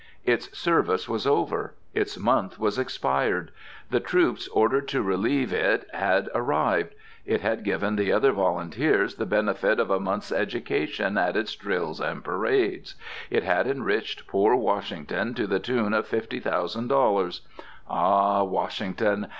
Its service was over. Its month was expired. The troops ordered to relieve it had arrived. It had given the other volunteers the benefit of a month's education at its drills and parades. It had enriched poor Washington to the tune of fifty thousand dollars. Ah, Washington!